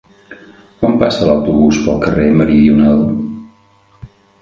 Quan passa l'autobús pel carrer Meridional?